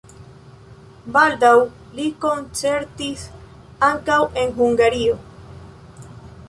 Baldaŭ li koncertis ankaŭ en Hungario.